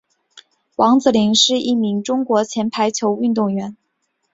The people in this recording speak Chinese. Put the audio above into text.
王子凌是一名中国前排球运动员。